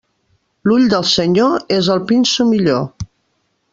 L'ull del senyor és el pinso millor.